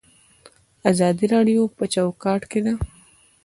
ازادي د قانون په چوکاټ کې ده